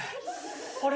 あれ？